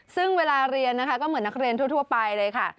ซึ่งเวลาเรียนนะคะก็เหมือนนักเรียนทั่วไปเลยค่ะ